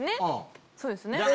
そうですね。